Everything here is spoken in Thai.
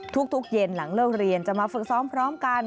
ทุกเย็นหลังเลิกเรียนจะมาฝึกซ้อมพร้อมกัน